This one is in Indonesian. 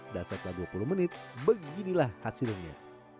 dan setelah dua puluh menit beginilah hasilnya